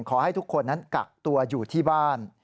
ขอให้ทุกคนนั้นกักตัวอยู่ที่บ้าน